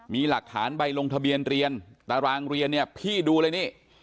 มีหลักฐานใบลงทะเบียนเรียนตารางเรียนเนี่ยพี่ดูเลยนี่